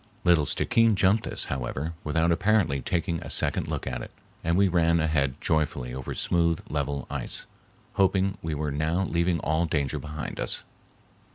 Little Stickeen jumped this, however, without apparently taking a second look at it, and we ran ahead joyfully over smooth, level ice, hoping we were now leaving all danger behind us.